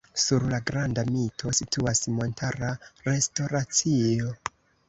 Sur la Granda Mito situas montara restoracio.